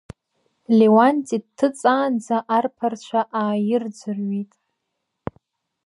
Леуанти дҭыҵаанӡа арԥарцәа ааирӡрҩит.